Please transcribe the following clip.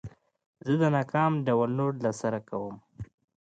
زه د ناکام ډاونلوډ له سره کوم.